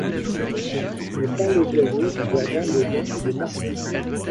Mais pas les oiseaux du jardin de Jean et de Marie.